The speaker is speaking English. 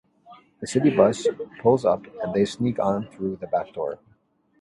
The city bus pulls up and they sneak on through the back door.